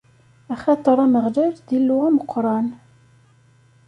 Axaṭer Ameɣlal, d Illu ameqqran.